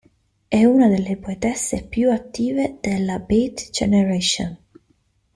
È una delle poetesse più attive della Beat Generation.